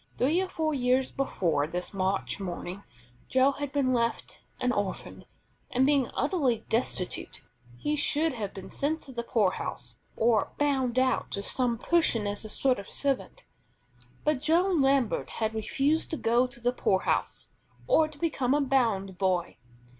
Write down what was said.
Three or four years before this March morning, Joe had been left an orphan, and being utterly destitute, he should have been sent to the poorhouse, or "bound out" to some person as a sort of servant. But Joe Lambert had refused to go to the poorhouse or to become a bound boy.